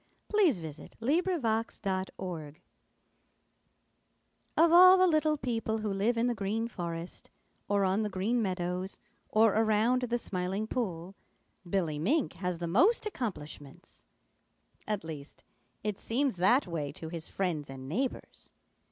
MINK TAUGHT HIMSELF TO SWIM Of all the little people who live in the Green Forest or on the Green Meadows or around the Smiling Pool, Billy Mink has the most accomplishments. At least, it seems that way to his friends and neighbors.